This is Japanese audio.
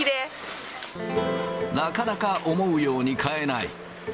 なかなか思うように買えない。